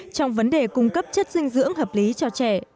trong vấn đề cung cấp chất dinh dưỡng hợp lý cho trẻ